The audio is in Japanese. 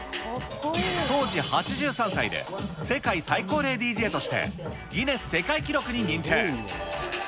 当時８３歳で、世界最高齢ＤＪとして、ギネス世界記録に認定。